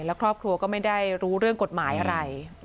แล้วครอบครัวก็ไม่ได้รู้เรื่องกฎหมายอะไร